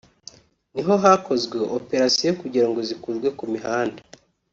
niho hakozwe Operation kugirango zikurwe ku mihanda”